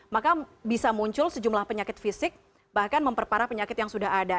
maka bisa muncul sejumlah penyakit fisik bahkan memperparah penyakit yang sudah ada